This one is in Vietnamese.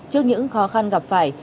trước những khó khăn gặp phải